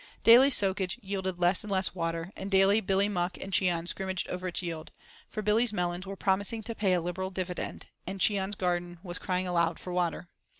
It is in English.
Daily the soakage yielded less and less water, and daily Billy Muck and Cheon scrimmaged over its yield; for Billy's melons were promising to pay a liberal dividend, and Cheon's garden was crying aloud for water.